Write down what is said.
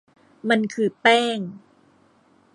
มันคือแป้ง